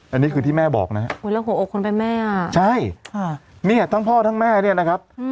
อันนี้คือที่แม่บอกนะครับใช่นี่ทั้งพ่อทั้งแม่นะครับ